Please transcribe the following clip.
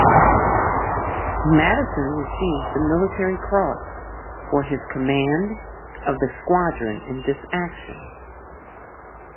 Madison received the Military Cross for his command of the squadron in this action.